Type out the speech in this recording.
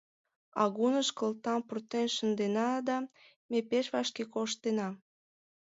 Агуныш кылтам пуртен шындена да, ме пеш вашке коштена.